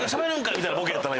みたいなボケやったな。